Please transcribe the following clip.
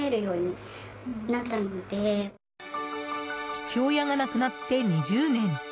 父親が亡くなって２０年。